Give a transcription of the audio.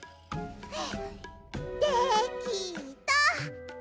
できた。